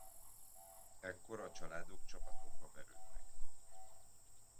Ekkor a családok csapatokba verődnek.